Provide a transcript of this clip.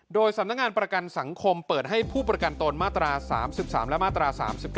โดยสำนักงานประกันสังคมเปิดให้ผู้ประกันตนมาตรา๓๓และมาตรา๓๙